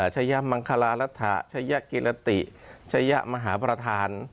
ชะยะมังคลารัฐชายกิรติชะยะมหาประธาน